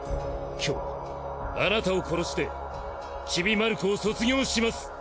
今日あなたを殺してチビマルコを卒業します！